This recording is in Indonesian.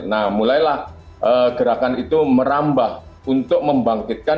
nah mulailah gerakan itu merambah untuk membangkitkan